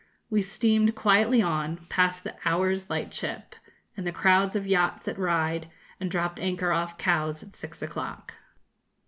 We steamed quietly on, past the 'Owers' lightship, and the crowds of yachts at Ryde, and dropped anchor off Cowes at six o'clock.